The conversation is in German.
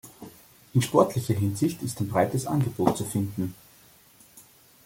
In sportlicher Hinsicht ist ein breites Angebot zu finden.